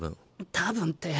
多分って。